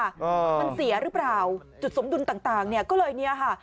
อ่ามันเสียหรือเปล่าจุดสมดุลต่างต่างเนี้ยก็เลยเนี้ยค่ะ